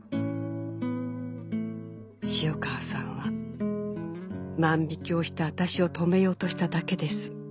「潮川さんは万引をした私を止めようとしただけです」